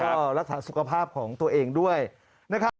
ก็รักษาสุขภาพของตัวเองด้วยนะครับ